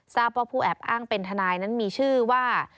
ทราบว่าผู้แอบอ้างเป็นทนายนั้นมีชื่อว่า